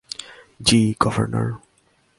জি, governor.